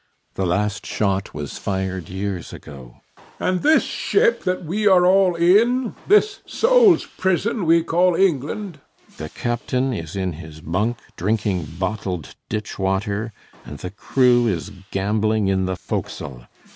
The last shot was fired years ago. HECTOR. And this ship that we are all in? This soul's prison we call England? CAPTAIN SHOTOVER. The captain is in his bunk, drinking bottled ditch water; and the crew is gambling in the forecastle.